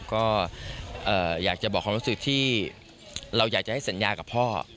ก็อยากจะบอกความรู้สึกที่เราอยากจะให้สัญญากับพ่อ